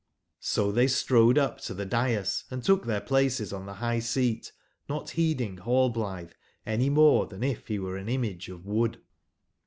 So they strode up to the dais and took their places on the high/seat, not heeding Rallblithe any more than if he were an image of wood.